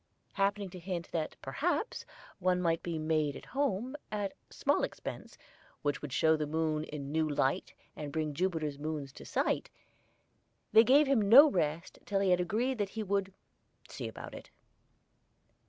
Happening to hint that perhaps one might be made at home at small expense which would show the moon in new light and bring Jupiter's moons to sight, they gave him no rest till he had agreed that he would "see about it."